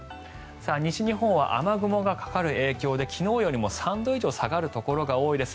西日本は雨雲がかかる影響で昨日よりも３度以上下がるところが多いです。